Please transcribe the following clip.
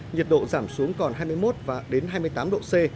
nhiệt độ giảm xuống còn hai mươi một và hai mươi tám độ c